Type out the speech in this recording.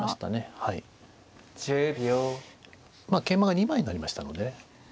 桂馬が２枚になりましたのでね。